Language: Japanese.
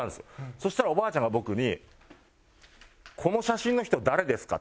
そしたらおばあちゃんが僕に「この写真の人誰ですか？」